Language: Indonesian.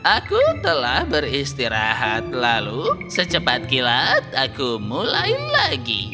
aku telah beristirahat lalu secepat kilat aku mulai lagi